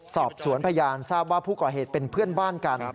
สอบสวนพยานทราบว่าผู้ก่อเหตุเป็นเพื่อนบ้านกัน